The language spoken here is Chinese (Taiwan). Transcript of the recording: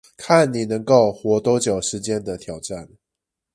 看你能夠活多久時間的挑戰